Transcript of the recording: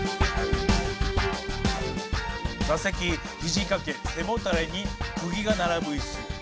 座席肘掛け背もたれに釘が並ぶ椅子。